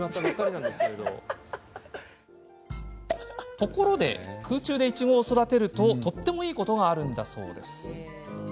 ところで空中でいちごを育てるととってもいいことがあるんだそう。